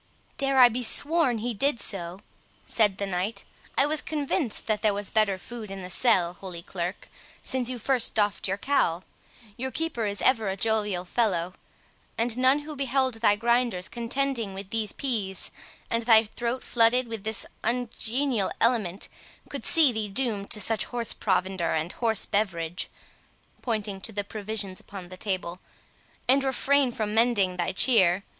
"I dare be sworn he did so," said the knight; "I was convinced that there was better food in the cell, Holy Clerk, since you first doffed your cowl.—Your keeper is ever a jovial fellow; and none who beheld thy grinders contending with these pease, and thy throat flooded with this ungenial element, could see thee doomed to such horse provender and horse beverage," (pointing to the provisions upon the table,) "and refrain from mending thy cheer.